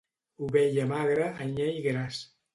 Ovella magra, anyell gras.